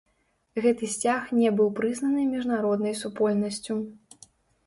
Гэты сцяг не быў прызнаны міжнароднай супольнасцю.